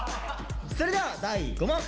それでは第６問。